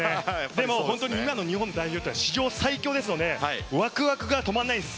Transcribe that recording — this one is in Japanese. でも、今の日本代表は史上最強ですのでワクワクが止まらないです。